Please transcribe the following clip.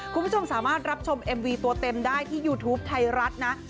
คุณผู้ชมสามารถรับชมเอ็มวีตัวเต็มได้ที่ยูทูปไทยรัฐนะ